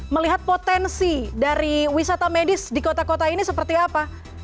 melihat potensi dari wisata medis di kota kota ini seperti apa